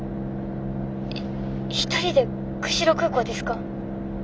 一人で釧路空港ですか？